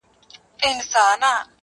د محمودالحسن زوی محمد اسماعيل